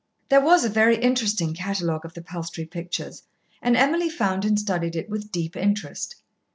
There was a very interesting catalogue of the Palstrey pictures, and Emily found and studied it with deep interest.